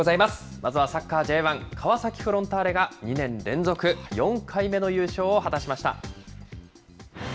まずはサッカーＪ１・川崎フロンターレが、２年連続４回目の優勝を果たしました。